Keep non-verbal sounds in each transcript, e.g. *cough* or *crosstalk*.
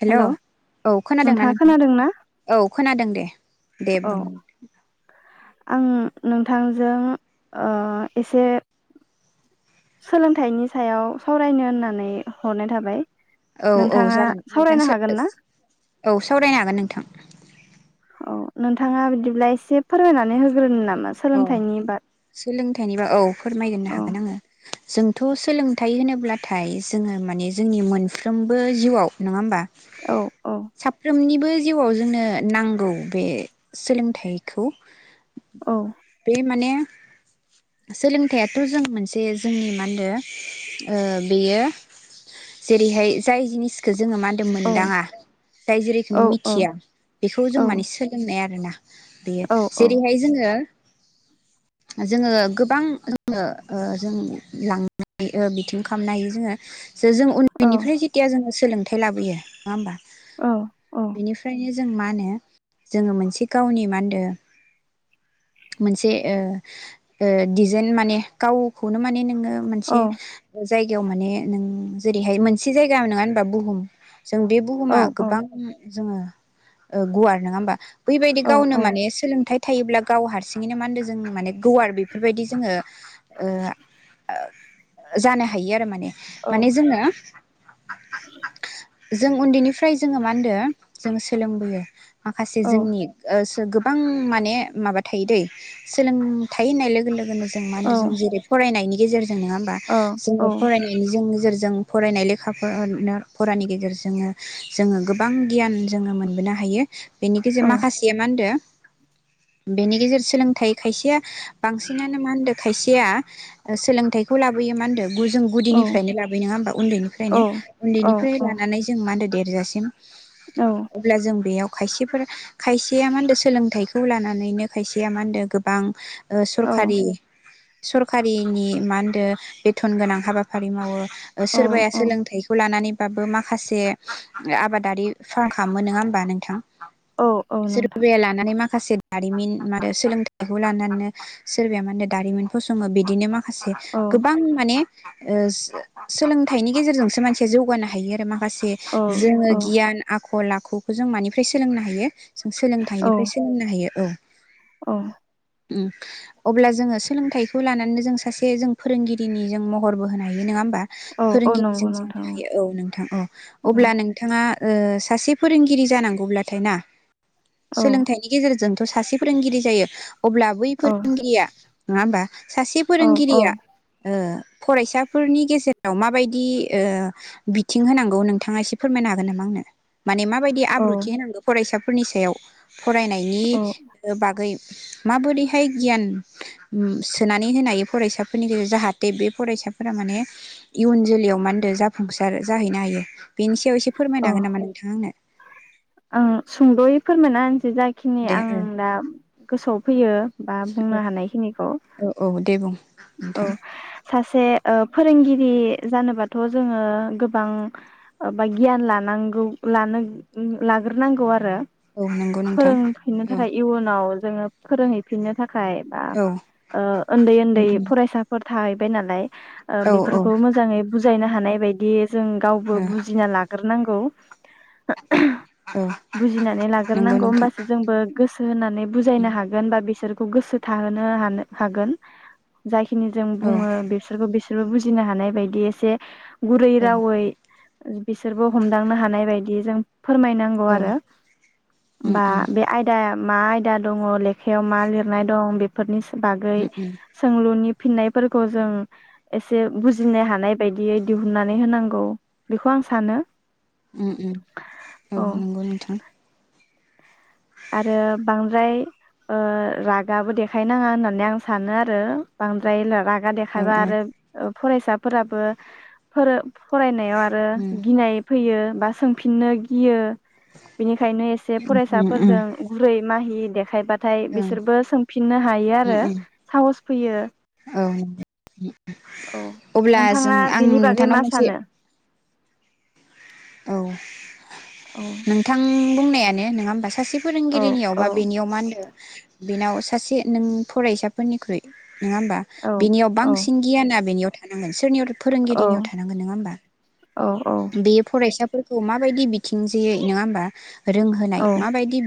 हेल' hello औ खोनादोंना नोंथाङा नोंथां खोनादों ना औ खोनादों दे दे औ बुं आं नोंथांजों ओ एसे सोलोंथाइनि सायाव सावरायनो होननानै हरनाय थाबाय। औ औ नोंथाङा जागोन नोंथां सावरायनो हागोन ना औ सावरायनो हागोन नोंथां‌ औ नोंथाङा बिदिब्ला एसे फोरमायनानै होग्रोनो ना अ सोलोंथाइनिबा औ फोरमायगोरनो औ हागोन आङो जोंथ सोलोंथाइ होनोब्लाथाय जोङो माने जोंनि मोनफ्रोमबो जिउआव नङा होमबा औ औ साफ्रोमनि बो जिउआव जोंनो नांगौ बे सोलोंथाइखौ औ बे माने सोलोंथायाथ' जों मोनसे जोंनि मा होनदों ओ बेयो जेरैहाय जाय जिनिसखो जोङो मा होनदो औ मोनदाङा जाय जेरैखोम औ मिथिया बेखौ औ जों माने सोलोंनाय आरोना बेयो औ जेरैहाय जोङो जोङो गोबां जोङो ओ जों लांनो बिथिं खालामनो हायो जोङो जे जों औ उन्दैनिफ्राय जेथिया जोङो सोलोंथाइ लाबोयो नङा होमबा? औ औ बेनिफ्रायनो जों मा होनो जोङो मोनसे गावनि मा होनदो मोनसे ओ ओ डिजाइन माने गावखौनो माने नों ङो मोनसे जायगायाव माने नों जेरैहाय मोनसे जायगा नङा होनबा बुहुम जों बे औ बुहुमा गोबां जोङो गुवार नङा होमबा बेबायदि औ गावनो माने सोलोंथाइ थायोब्ला गाव हारसिङैनो मा होनदों जों माने गुवार बे बेफोरबायदि जोङो ओ जानो हायो आरो माने औ माने जोङो जों उन्दैनिफ्राय जोङो मा होनदों जोङो सोलोंबोयो माखासे औ जोंनि गोबां माने माबा थायो दै सोलोंथाइ होननाय लोगो जों मा होनदों जों जेरै फरायनायनि गेजेरजों जों नङा होमबा औ जोङो फरायनायनिजों नोेजोरजों फरायनाय लेखाफोर फरानि गेजेरजों जोङो गोबां गियान जोङो मोनबोनो हायो बेनि गेजेर औ माखासेया मा होनदो बेनि गेजेर सोलोंथाइ खायसेया बांसिनानो मा होनदों खायसेया सोलोंथाइखौ लाबोयो मा होनदो जों औ गुदिनिफ्रायनो लाबो नङा होमबा उन्दैनिफ्रायनो उन्दैनिफ्राय लानानै जों मा होनदो देरजासिम अब्ला जों बेयाव खायसेफोरा खायसेया मा होनो सोलोंथाइखौ लानानैनो खायसेया मा होनदो गोबां ओ औ सरखारि सरखारिनि मा होनदो बेथन गोनां हाबाफारि मावो औ सोरबाया औ सोलोंथाइखौ लानानै बाबो माखासे आबादारि फार्म खालामो नङा होमबा नोंथां औ औ नोंथां सोरबाया लानानै मा माखासे दारिमिन आरो सोलोंथाइखौ लानानै सोरबाया मा होनो दारिमिनफोरसो बिदिनो मा खासे औ गोबां माने ओ सोलोंथाइनि गेजेरजोंसो मानसिया जौगानो हायो आरो मा माखासे औ जोङो औ गियान आखल आखु खौ जों मानिफ्राय सोलोंनो हायो जों औ सोलोंथाइनिफ्राय सोलोंनो हायो औ औ उम। अब्ला जोङो सोलोंथाइखौ लानानैनो जों सासे जों फोरोंगिरिनि जों महरबो होनो हायो नङा होमबा। औ औ नंगौ फोरोंगिरिजों नोंथां जानो हायो औ नोंथां औ अब्ला नोंथाङा सासे फोरोंगिरि जानांगौब्लाथाय ना। औ सोलोंथाइनि गेजेरजों। सासे फोरोंगिरि जायो अब्ला बै। औ गिराया। नङाहोनबा। सासे औ फोरोंगिरिया ओ। फरायसाफोरनि गेजेराव माबायदि ओ बिथिं होनांगौ नोंथाङा एसे फोरमायनो हागोन नामा आंनो‌। माने माबायदि औ आब्रुथि होनांगौ फरायसा। फोरनि सायाव। औ फरायनायनि बागै माबोरै गियान सोनानै होनो हायो फरायसाफोरनि गेजेराव जाहाथे बे फरायसाफोरा माने इयुन जोलैयाव मा होनदों जाफुंसार जाहैनो हायो बेनि बेव एसे फोरमायनो हागोन नामा नोंथां आ आंनो। ओं सुंद'यैफोर मायना। जाखिनि दे आं ओ दा गोसोआव फैयो बा औ बुंनो हानायखिनिखौ। औ औ दे बुं औ। नोंथां सासे फोरोंगिरि जानोबाथ' जोङो गोबां बा गियान लानांगौ लानो लाग्रोनांगौ आरो। औ नंगौ नोंथां फोरोंफैननो औ थाखाय इयुनाव। जो फोरोंहैफिननो थाखाय। बा औ उन्दै उन्दै। उम फैसाफोर थाहैबाय नालाय। औ औ ओ बेफोरखौ मोजाङै बुज बुजायनो हानाय बायदि। जों गावबो बुजिना लाग्रोनांगौ औ। औ बुजिनानै नंगौ लाग्रोनांगौ नोंथां होमबासो जोंबो गोसो होनानै बुजायनो हागोन बा बिसोर। खौ गोसो थाहोनो हानो हागोन। जाय। खिनि जों औ बुङो बिसोरखौ बे। बिसोरबो बुजिनो हानाय बायदि एसे। गुरै औ रावै। बिसोरबो हमदांनो हानाय बायदि जों। फोरमायनांगौ औ आरो उम बा उम बे आयदा मा आयदा दङ लेखायाव मा लिरनाय दं बे फोरनि बागै उम उम सोंलुनि फिन्नायफोरखौ जों एसे बुजिनो हानाय बायदियै दिहुननानै होनांगौ बेखौ आं सानो । उम्म उम्म औ नंगौ नोंथां । आरो बांद्राय ओ रागाबो देखायनाङा होननानै आं सानो आरो बांद्राय राग गा औ औ देखायबा उम आरो फरायसाफोराबो फोर फरायनायाव आरो उम उम गिनाय फैयो बा सोंफिननो गियो बिनिखायनो एसे फरायसा ओं उम उम औ फोरजों गुरै माहि देखायबाद थाय बिसोरबो सोंफिननो हायो आरो साहस फैयो औ अब्ला जों नोंथाङा आं बेनि बागै नोंथांनाव मा मोनसे सानो? औ औ नोंथां बुंनायानो नोंङा होमबा सासे औ फोरोंगिरिनियाव औ बा बेनियाव मा होनो? बेनाव सासे नों फरायसाफोरनिख्रुइ नङा होमबा औ बेनियाव औ बांसिन गियाना बेनियाव थानांगोन सोरनियाव थ औ फोरोंगिरिनियाव थानांगोन नङा होमबा? औ बेयो फरायसा फोरखौ माबायदि बिथिंजेयै नङा होमबा रोंहोनाय औ माबायदि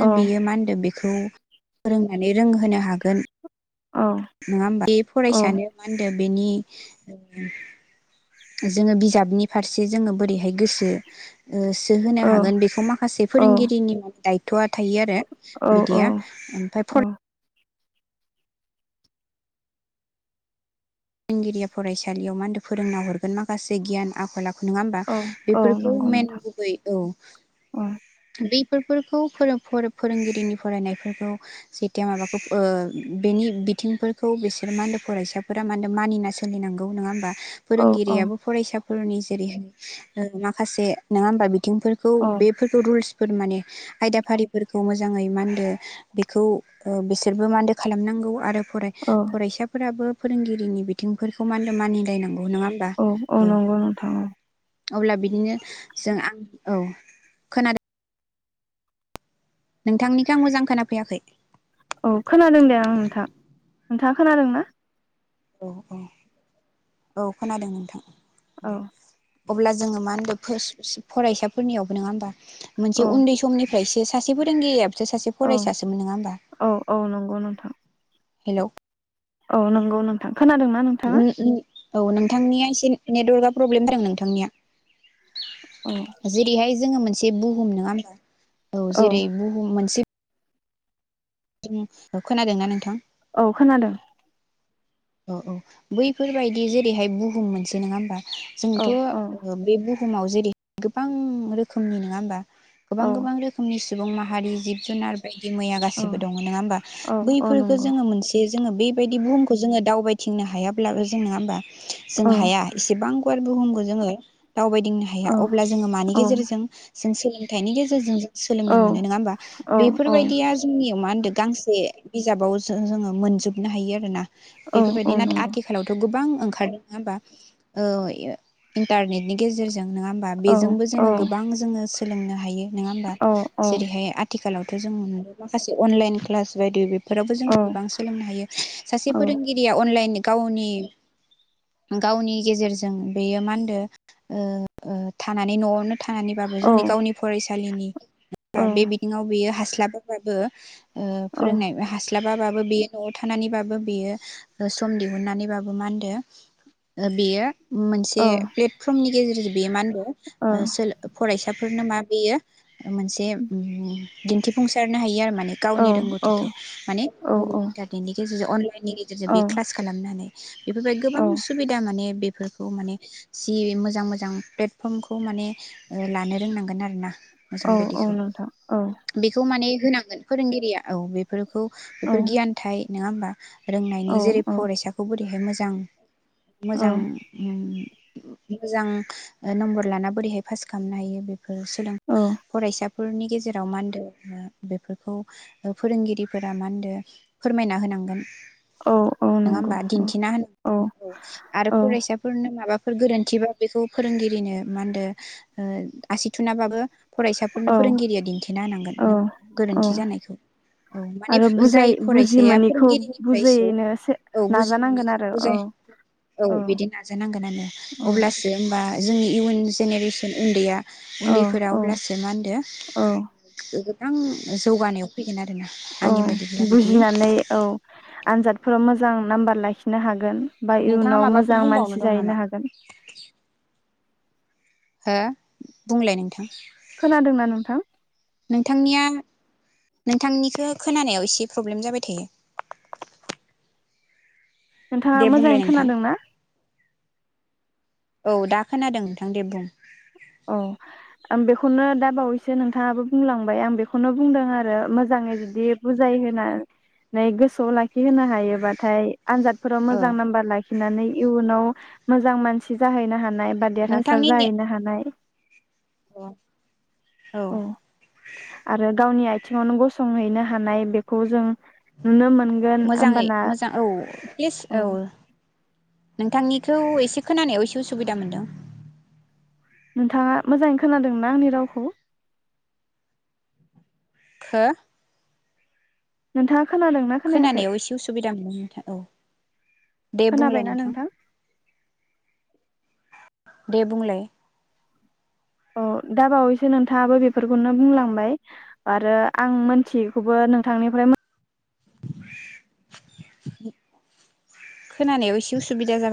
औ बेयो मा होनदो बे बेखौ फोरोंनानै रोंहोनो हागोन औ नङा होमबा बे फरायसानो मा होनदो? बेनि जोङो बिजाबनि फारसे जोङो बोरैहाय गोसो सो होनो हागोन बेखौ माखासे फोरोंगिरिनि माने दाय थआ थायो आरो । औ बिदिया औ ओमफ्राय फर फोरोंगिरिया फरायसालियाव मा होनदो फोरोंना हरगोन माखासे गियान आखल आखु नङा होमबा औ औ बेफोरखौ नंगौ मेन नोंथां गुबै औ औ बे फोरफोरखौ फोर फोरोंगिरिनि फरायनायफोरखौ जेथिया माबाखौ ओ बेनि बिथिंफोरखौ बिसोर मा होनो फरायसा मान होना मानिना सलिनांगौ नङा होमबा। औ औ फोरोंगिरियाबो फरायसा फोरनि जेरैहाय ओ माखासे नङा होमबा। बिथिंफोरखौ औ बेफोरखौ रुल्स फोर माने आयदाफारिफोरखौ मोजाङै मानदो बेखौ ओ बिसोरबो मानदो खालामनांगौ आरो । फराय फरायसाफोराबो फोरोंगिरिनि बिथिंफोरखौ मान होनो मानिलायनांगौ। नङा होमबा औ औ नंगौ नोंथां औ । अब्ला बिदिनो जों आं औ खोनादों। नोंथांनिखौ आं मोजां खोनाफैयाखै । औ खोनादों दे आं नोंथां नोंथाङा खोनादों ना? औ औ औ खोनादों नोंथां। औ दे। अब्ला जोङो मा होनदों फरायसाफोरनियावबो नङा होमबा मोनसे औ उन्दै समनि। ओमफ्राय इसे सासे फोरोंगिरिया औ औ औ नंगौ नोंथां। हेलौ औ नंगौ नोंथां खोनादोंना नोंथाङा। औ नोंथांनिया एसे नेटवर्कआ प्रब्लेम जादों नोंथांनिया औ जेरैहाय जोङो मोनसे बुहुम नङा होमबा औ जेरै बुहुम मोनसे जों खोनादोंना नोंथां? औ खोनादों। औ औ बैफोरबायदि जेरैहाय बुहुम मोनसै नङा होमबा। औ औ जोंथ' बे। बुहुमाव जेरै गोबां रोखोमनि नङा होमबा गोबां औ गोबां रोखोमनि सुबुं माहारि जिब जुनार बायदि मैया औ गासिबो दङ नङा होमबा औ औ बैफोरखौ नंगौ जोङो मोनसे जोङो बेबायदि बुहुमखौ जोङो दावबायथिंनो हायाब्लाबो जों नङा होमबा। जों औ हाया एसेबां। गुवार बुहुमखौ जोङो दावबायदिंनो हाया औ अब्ला जोङो मानि औ गेजेरजों जों सोलोंथाइनि गेजेरजों जों औ सोलोंनो मोनो नङा होमबा औ बेफोरबायदिया जोंनियाव मा होन आरो गांसे बिजाबाव जोङो मोनजोबनो हायो आर ना। औ औ बेफोरबायदि न नंगौ आथिखालावथ' गोबां ओंखारदोंङा होमबा ओ इन्टारनेटनि गेजेरजों जों नङा होमबा औ बेजोंबो औ जोङो गोबां जोङो सोलोंनो हायो। नङा होमबा औ जेरैहाय आ आथिखालावथ' जों मोनबाय माखासे अनलाइन क्लास बायदि फोरावबो औ जोंङो गोबां सोलोंनो हायो सासे औ फोरों अनलाइन गावनि गावनि गेजेरजों बेयो मा होनदों थानानै न'आवनो थानानैबाबो औ ओ जोंनि गावनि फरायसालिनि औ बे बिथिङाव बियो हास्लाब *inaudible* ओ औ फोरोंनाय हास्लाब माबाबाबो बेयो न'आव थानानैबाबो बेयो ओ सम दिहुननानैबाबो मा होनदो ओ बेयो मोनसे प्लेटफर्मनि गेजेरजों जुदि बेमान ओ सोलो फरायसा फोरनो मा बेयो मोनसे दिन्थिफुंसारनो हायो आरो माने गावनिों औ रोंगौथिखौ माने *unintelligible* आनलाइन नि गेजेरजों बे क्लास खालामनानै बेफोरबाय औ गोबां सुबिदा माने बे बेफोरखौ माने सि मोजां मोजां प्लेटफर्मखौ माने लानो रोंनांगोन आरो ना औ औ नोंथां औ बेखौ माने होनांगोन फोरोंगिरिया औ बेफोर खौ औ बेफोर गियानथाय नोङा होमबा? रोंनायनि औ जेरै औ फरायसाखौबो बेहाय मोजां मोजां होम मोजां ओ नम्बर लाना बोरैहाय पास खालामनो हायो बे ओ सोलों औ फरायसा फोरनि गेजेराव मानदो बेफोरखौ फोरोंगिरिफोरा मानदो फोरमायना होनांगोन। औ औ नोङा नंगौ होमबा औ दिन्थिना होनांगोन औ आरो फरायसाफोरनो माबा फोर गोरोन्थिबा बेखौ फोरोंगिरिनो मा होनदो ओ आसि थुुनाबाबो फरायसाफोरनो औ फोरोंगिरिया दिन्थिनो होनांगोन औ नोंङा *unintelligible* औ गोरोन्थि जानायखौ औ माने आरो बुजाय जाय बुजि फरायसाया मोनैखौ फोरोंगिरिनिफ्रायसो बुजायनो औ नाजानांगोन बुजिमोनैखौ आरो औ बुजाय औ बिदि नाजानांगोन आरो औ अब्लासो होमबा *unintelligible* जोंनि इयुन जेनेरेसन उन्दैया औ उन्दैफोरा औ अब्लासो मा होनदो? औ गोबां जौगानायाव फै औ बुजिनानै औ आनजादफोराव मो जां नाम्बार लाखिनो हागोन। बा नोंथाङा इयुनाव माबाफोर मोजां बुंबावनो मानसि दं नामा जाहैनो हागोन। हो? बुंलाय नोंथां। खोनादोंना नोंथां? नोंथांनिया नोंथांनिखौ खोनानायाव एसे प्रब्लेम जाबाय थायो। नोंथाङा दे बुंलाय मोजाङै नोंथां खोनादों ना? औ दा खोनादों नोंथां दे बुं अ आं बेखौनो दा बावैसो नोंथाङाबो बुंलांबाय आं बेखौनो बुंदों आरो मोजाङै जुदि बुजाय होना नै गोसोआव लाखिहोनो हायोबाथाय आनजादफोराव मोजां औ नाम्बार ला खिनानै इयुनाव मोजां मानसि जाहै नो हानाय बा देर हासार जाहैनो हानाय। अ औ आरो गावनि आइ थिङावनो गसंहैनो हानाय बेखौ जों नुनो मोनगोन मोजाङै होमबाना मोजां औ *unintelligible* औ नोंथांनिखौ एसे खोनानायाव एसे उसुबिदा मोनदों। नोंथाङा मोजाङै खोनादोंना आंनि रावखौ? हो? नोंथां खोनानायाव एसे उसुबिदा मोनो। औ। दे बुंलाय नोंथां। दे बुंलाय औ दा बावैसो नोंथाङाबो बेफोरखौनो बुंलांबाय, आरो आं मोनथियैखौबो नोंथांनिफ्राय खोनानायाव एसे उसुबिदा जाबाय